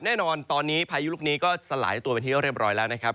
แน่นอนตอนนี้พายุลูกนี้ก็สลายตัวไปที่เรียบร้อยแล้วนะครับ